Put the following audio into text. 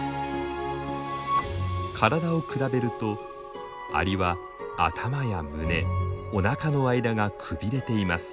体を比べるとアリは頭や胸おなかの間がくびれています。